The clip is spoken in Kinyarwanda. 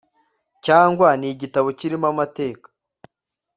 cyangwa ni igitabo kirimo amateka